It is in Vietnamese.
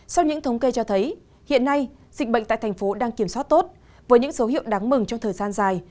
sau những thống kê cho thấy hiện nay dịch bệnh tại thành phố đang kiểm soát tốt với những dấu hiệu đáng mừng trong thời gian dài